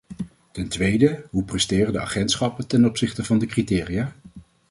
Ten tweede, hoe presteren de agentschappen ten opzichte van de criteria?